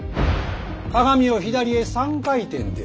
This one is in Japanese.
「鏡」を「左へ三回転」で。